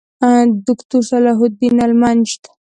دوکتورصلاح الدین المنجد